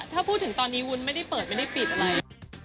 ถ้าพูดถึงตอนนี้วุ้นไม่ได้เปิดไม่ได้ปิดอะไร